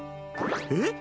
えっ？